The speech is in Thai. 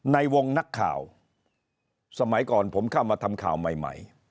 ในวงนักข่าวสมัยก่อนผมเข้ามาทำข่าวใหม่